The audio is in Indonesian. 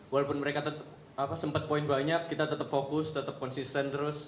walaupun mereka sempat poin banyak kita tetap fokus tetap konsisten terus